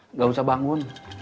nggak usah bangun